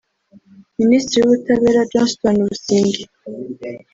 Minisitiri w’Ubutabera Johnston Busingye